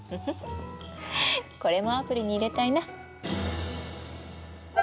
これもアプリに入れたいな！